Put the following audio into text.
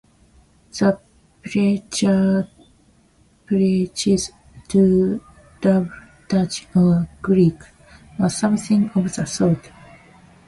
The preacher preaches double Dutch or Greek, or something of the sort.